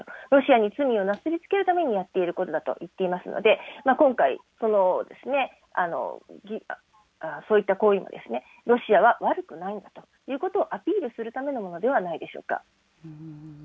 ロシアに罪をなすりつけるためにやっていることだと言っていますので、今回、そういった行為はロシアは悪くないんだということを、アピールするためのものではないでしょうか。